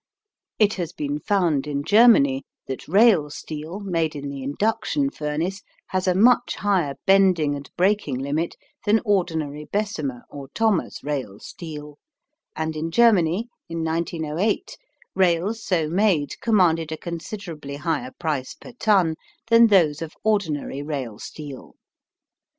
It has been found in Germany that rail steel made in the induction furnace has a much higher bending and breaking limit than ordinary Bessemer or Thomas rail steel, and in Germany in 1908 rails so made commanded a considerably higher price per ton than those of ordinary rail steel.